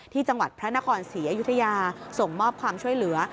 ที่จังหวัดพระนครศรีอยุธยาส่งมอบความช่วยเหลือ